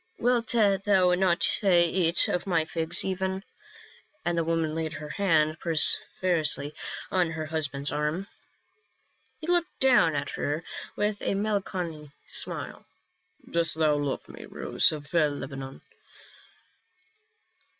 Wilt thou not eat of my figs even?" and the woman laid her hand persuasively on her husband's arm. He looked down at her with a melancholy smile. " Dost thou love me, rose of Lebanon